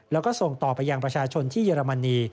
แล้วก็ส่งต่อไปยังประชาชนที่เยอรมนี